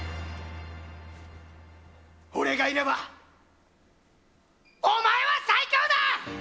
俺がいればお前は最強だ！